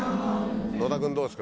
野田君どうですか？